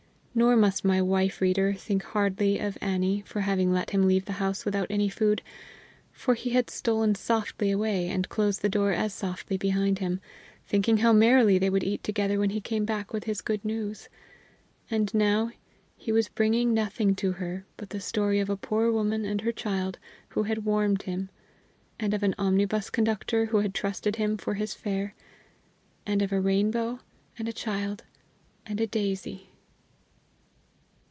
Nor must my wife reader think hardly of Annie for having let him leave the house without any food, for he had stolen softly away, and closed the door as softly behind him, thinking how merrily they would eat together when he came back with his good news. And now he was bringing nothing to her but the story of a poor woman and her child who had warmed him, and of an omnibus conductor who had trusted him for his fare, and of a rainbow and a child and a daisy.